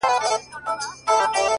دا ستا ښكلا ته شعر ليكم،